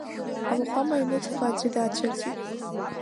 Ауахәама аҩныҵҟа аӡәы даацәырҵит.